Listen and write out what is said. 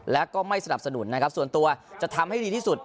และก็ไม่สนับสนุนนะครับส่วนตัวจะทำให้ดีที่สุด